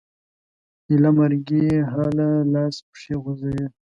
ایله مرګي حاله لاس پښې خوځوي